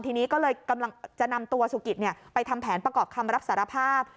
ทีนี้ก็เลยกำลังจะนำตัวสุกิตไปทำแผนประกอบคำรับสารภาพ